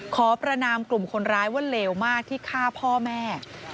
ขอประนามกลุ่มคนร้ายว่าเลวมากที่ฆ่าพ่อแม่